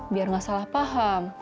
biar nggak salah paham